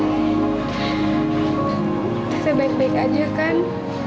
kita baik baik saja kan